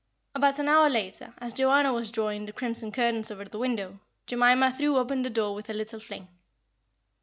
About an hour later, as Joanna was drawing the crimson curtains over the window, Jemima threw open the door with a little fling.